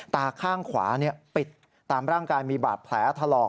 ตาข้างขวาปิดตามร่างกายมีบาดแผลถลอก